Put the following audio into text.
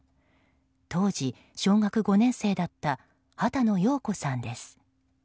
当時、小学５年生だった波多野耀子さんです。